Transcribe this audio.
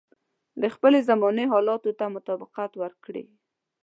د خپلې زمانې حالاتو ته مطابقت ورکړي.